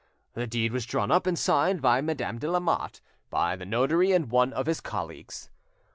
The deed was drawn up and signed by Madame de Lamotte, by the notary, and one of his colleagues.